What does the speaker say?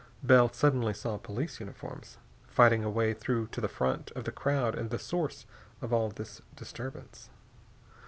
Bell suddenly saw police uniforms, fighting a way through to the front of the crowd and the source of all this disturbance.